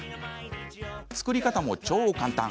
作り方も超簡単。